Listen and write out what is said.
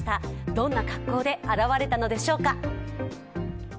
どんな格好で現れたのでしょうか。